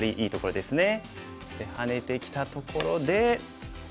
でハネてきたところで黒番。